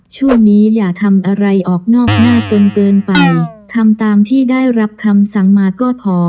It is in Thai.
ช่วงนี้อย่าทำอะไรออกนอกหน้าจนเกินไปทำตามที่ได้รับคำสั่งมาก็พอ